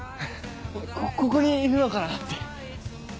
ここにいるのかなって。